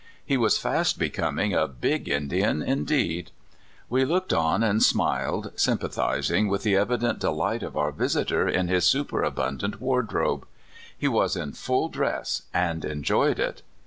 He was fast becoming a "big Indian" indeed. We looked on and smiled, sympathizing with the evi dent delight of our visitor in his superabundant wardrobe. He was in full dress, and enjoyed it.